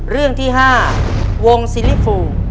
เรื่องที่๕วงซิลิฟู